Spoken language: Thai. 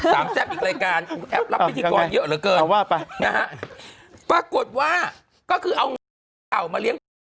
สามแซ่บอีกรายการแอบรับพิธีกรเยอะเหลือเกินปรากฏว่าก็คือเอาเงินไปเลี้ยงไหนอะ